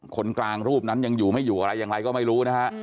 คนกลางรูปนั้นยังอยู่ไม่อยู่อะไรอย่างไรก็ไม่รู้นะฮะ